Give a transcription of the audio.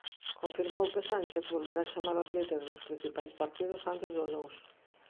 Confirmou que Sánchez volverá chamar os líderes dos principais partidos antes do luns.